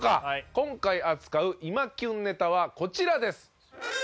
今回扱うイマキュンネタはこちらです。